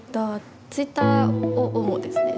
ツイッターを主ですね。